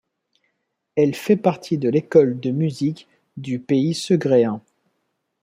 Elle fait partie de l'école de musique du Pays Segréen.